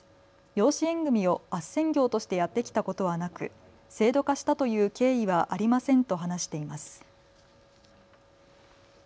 養子縁組みをあっせん業としてやってきたことはなく制度化したという経緯はありませんと話しています。